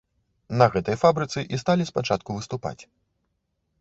На гэтай фабрыцы і сталі спачатку выступаць.